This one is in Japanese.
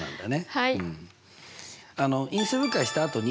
はい。